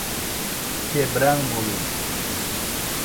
Quebrangulo